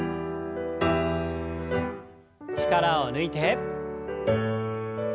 力を抜いて。